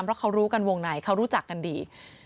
เพราะเขารู้กันวงในเขารู้จักกันดี